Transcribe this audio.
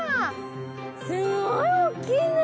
すごい大っきいね！